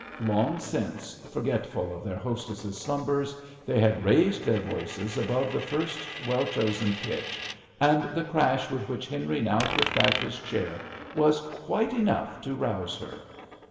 Long since, forgetful of their hostess's slumbers, they had raised their voices above the first well chosen pitch, and the crash with which Henry now put back his chair was quite enough to. rouse her.